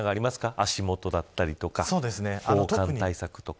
足元だったりとか防寒対策とか。